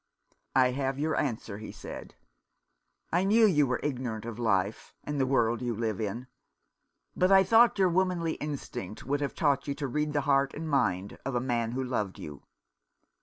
" I have your answer," he said. " I knew you were ignorant of life, and the world you live in ; but I thought your womanly instinct would have taught you to read the heart and mind of a man who loved you.